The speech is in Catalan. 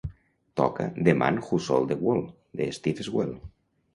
Toca The man who sold the world de Steve Swell